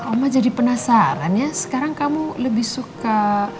oma jadi penasaran ya sekarang kamu lebih suka